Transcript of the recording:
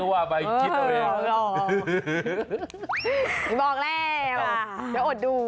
โดนอะไรก็ว่าปะ